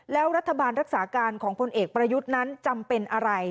แล้วรัฐบาลรักษาการของพลเอกประยุทธ์นั้นจำเป็นอะไร